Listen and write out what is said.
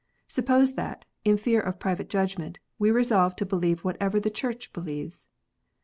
Suppose that, in fear of private judgment, we resolve to believe whatever the Church believes.